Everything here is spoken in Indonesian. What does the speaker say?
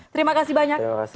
terima kasih banyak